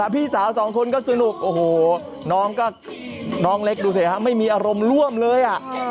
พี่สาวสองคนก็สนุกโอ้โหน้องก็น้องเล็กดูสิฮะไม่มีอารมณ์ร่วมเลย